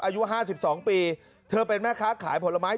อายุ๕๒ปีเธอเป็นแม่ค้าขายผลไม้